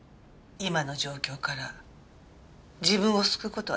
今の状況から自分を救う事はできない。